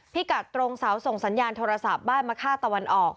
กัดตรงเสาส่งสัญญาณโทรศัพท์บ้านมะค่าตะวันออก